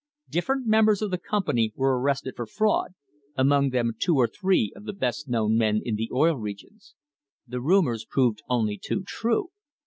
Different members of the company were arrested for fraud, among them two or three of the best known men in the Oil Regions. The rumours proved only too true.